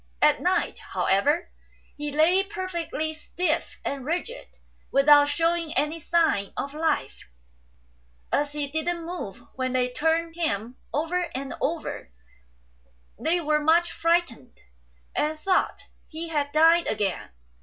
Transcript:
At night, how ever, he lay perfectly stiff and rigid, without shewing any signs of life ; and, as he didn't move when they turned him over and over, they were much frightened, and thought he had died again.